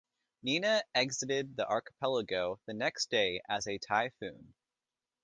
Nina exited the archipelago the next day as a typhoon.